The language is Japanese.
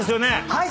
はい。